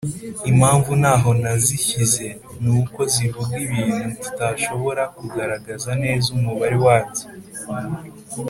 impamvu ntaho nazishyize ni uko zivuga ibintu tutashobora kugaragaza neza umubare wabyo.